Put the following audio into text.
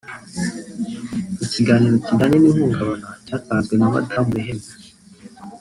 Ikiganiro kijyanye n’ihungabana cyatanzwe na Madamu Rehema